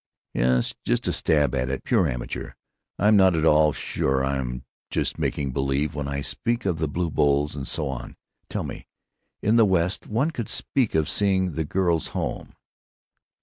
"Yes—just a stab at it, pure amateur.... I'm not at all sure I'm just making believe when I speak of blue bowls and so on. Tell me. In the West, one would speak of 'seeing the girls home.'